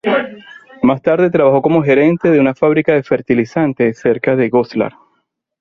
Más tarde, trabajó como gerente de una fábrica de fertilizantes cerca de Goslar.